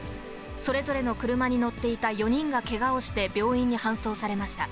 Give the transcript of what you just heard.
それぞれの車に乗っていた４人がけがをして病院に搬送されました。